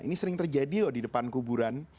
ini sering terjadi loh di depan kuburan